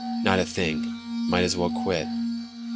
"Not a thing. Might as well quit."